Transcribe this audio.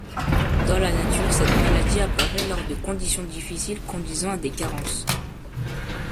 Dans la nature cette maladie apparait lors de conditions difficiles conduisant à des carences.